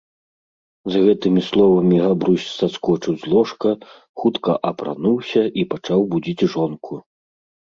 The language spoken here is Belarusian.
З гэтымi словамi Габрусь саскочыў з ложка, хутка апрануўся i пачаў будзiць жонку.